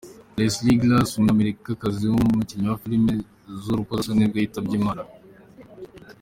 Leslie Glass, umunyamerikakazi w’umukinnyi wa film z’urukozasoni nibwo yitabye Imana.